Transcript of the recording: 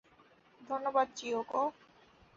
ধন্যবাদ, চিয়োকো।